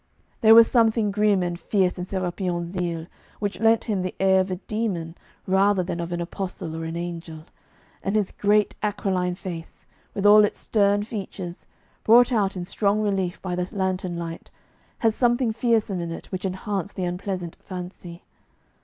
There was something grim and fierce in Sérapion's zeal which lent him the air of a demon rather than of an apostle or an angel, and his great aquiline face, with all its stern features, brought out in strong relief by the lantern light, had something fearsome in it which enhanced the unpleasant fancy.